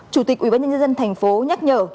chủ tịch ubnd tp nhắc nhở